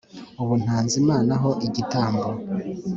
Ubu ntanze Imana ho igitambo